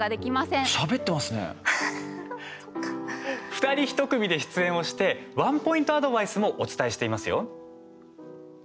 二人一組で出演をしてワンポイントアドバイスもお伝えしていますよ。